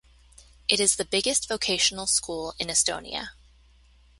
It is the biggest vocational school in Estonia.